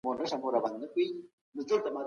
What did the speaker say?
تفريح او تهذيب د سالمي ټولني اړتياوې دي.